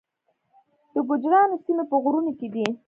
د ګوجرانو سیمې په غرونو کې دي